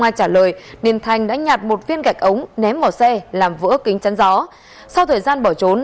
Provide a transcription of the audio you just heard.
ai trả lời nên thanh đã nhạt một viên gạch ống ném vào xe làm vỡ kính chắn gió sau thời gian bỏ trốn